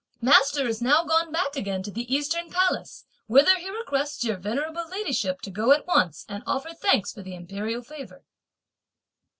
Master is now gone back again to the Eastern Palace, whither he requests your venerable ladyship to go at once and offer thanks for the Imperial favour."